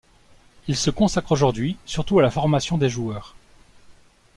Il se consacre aujourd'hui surtout à la formation des joueurs.